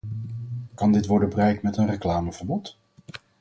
Kan dit worden bereikt met een reclameverbod?